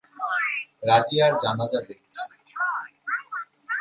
রাজিয়ার জানাযা দেখছি।